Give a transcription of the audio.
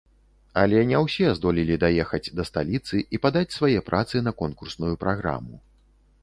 Але не ўсе здолелі даехаць да сталіцы і падаць свае працы на конкурсную праграму.